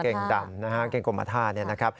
เสื้อขาวกางเกงกลมมาท่า